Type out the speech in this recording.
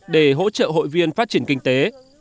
để hỗ trợ hội viên phát triển kinh tế